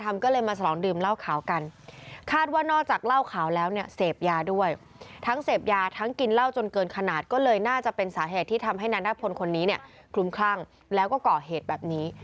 ที่ทำให้นานาพลคนนี้กลุ่มข้างแล้วก็เกาะเหตุแบบนี้